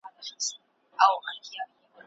که انسان د ښو اخلاقو څښتن وي، ټول به ورسره مينه لري.